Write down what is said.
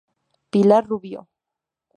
Pilar Rubio.